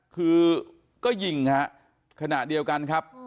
คือก็ยิงฮะขณะเดียวกันครับ